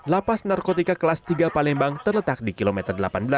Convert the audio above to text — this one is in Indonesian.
lapas narkotika kelas tiga palembang terletak di kilometer delapan belas